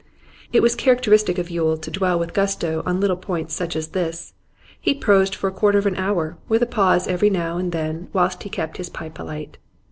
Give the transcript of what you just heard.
It was characteristic of Yule to dwell with gusto on little points such as this; he prosed for a quarter of an hour, with a pause every now and then whilst he kept his pipe alight.